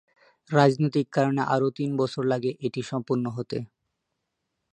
রাজনৈতিক কারণে আরও তিন বছর লাগে এটি সম্পন্ন হতে।